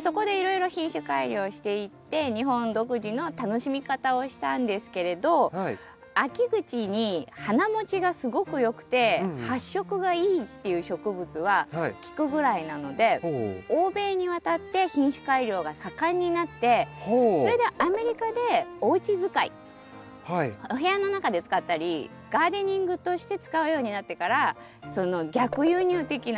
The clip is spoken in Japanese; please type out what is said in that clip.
そこでいろいろ品種改良していって日本独自の楽しみ方をしたんですけれど秋口に花もちがすごくよくて発色がいいっていう植物はキクぐらいなので欧米に渡って品種改良が盛んになってそれでアメリカでおうち使いお部屋の中で使ったりガーデニングとして使うようになってから逆輸入的な。